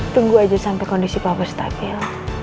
tunggu aja sampai kondisi public stabil